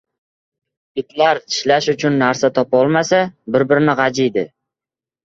• Itlar tishlash uchun narsa topolmasa, bir-birini g‘ajiydi.